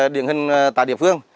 điện hình tại địa phương